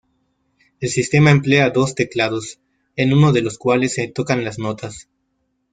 El sistema emplea dos teclados, en uno de los cuales se tocan las notas.